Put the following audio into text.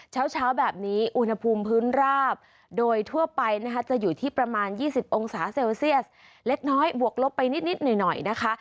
เช้าแบบนี้อุณหภูมิพื้นราบโดยทั่วไปนะคะจะอยู่ที่ประมาณ๒๐องศาเซลเซียสเล็กน้อยบวกลบไปนิดหน่อยนะคะ